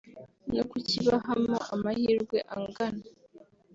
no kukibahamo amahirwe angana